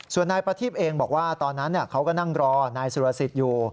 ส่วนนายประทีบเองบอกว่าตอนนั้นเขาก็นั่งรอนายสุรสิทธิ์อยู่